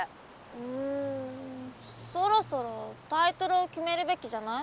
うんそろそろタイトルを決めるべきじゃない？